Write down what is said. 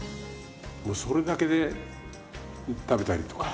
もうそれだけで食べたりとか。